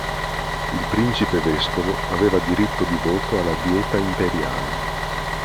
Il principe vescovo aveva diritto di voto alla Dieta Imperiale.